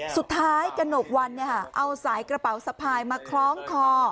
กระหนกวันเอาสายกระเป๋าสะพายมาคล้องคอ